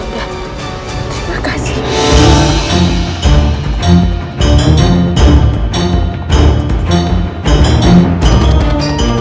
terima kasih kakanda